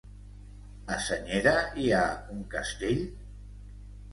A Senyera hi ha un castell?